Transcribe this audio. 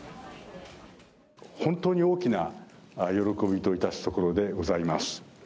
本当に大きな喜びといたすところでございます。